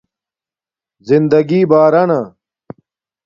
زندگݵ بارانا